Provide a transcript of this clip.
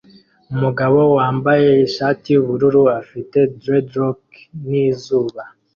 Umugabo wambaye ishati yubururu afite dreadlock nizuba